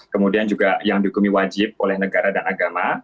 kemudian juga yang dihukumi wajib oleh negara dan agama